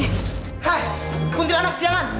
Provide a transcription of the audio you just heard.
hah kuntilanak siangan